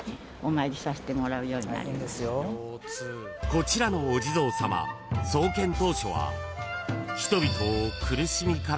［こちらのお地蔵さま創建当初は］